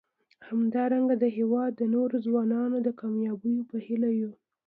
همدارنګه د هیواد د نورو ځوانانو د کامیابیو په هیله یو.